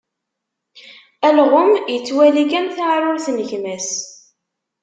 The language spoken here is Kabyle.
Alɣem ittwali kan taɛrurt n gma-s.